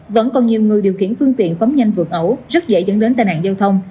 vẫn còn nhiều người điều khiển phương tiện phóng nhanh vượt ẩu rất dễ dẫn đến tai nạn giao thông